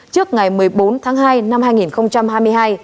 trước ngày một mươi bốn tháng hai năm hai nghìn hai mươi hai